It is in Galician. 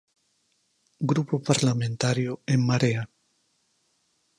Grupo parlamentario En Marea.